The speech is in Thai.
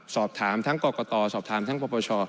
สอบถามทั้งกรกษ์กรตทั้งประปวช